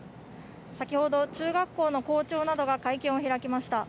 先ほど中学校の校長などが会見を開きました。